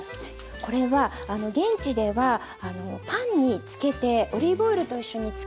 これは現地ではパンにつけてオリーブオイルと一緒につけて頂くみたいで。